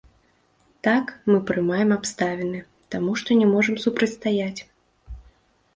Так, мы прымаем абставіны, таму што не можам супрацьстаяць.